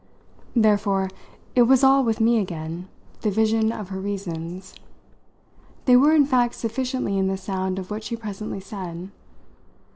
Therefore it was all with me again, the vision of her reasons. They were in fact sufficiently in the sound of what she presently said.